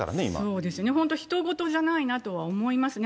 そうですね、本当、ひと事じゃないなとは思いますね。